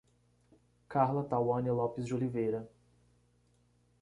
Carla Tawany Lopes de Oliveira